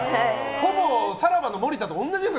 ほぼ、さらばの森田とおんなじですね。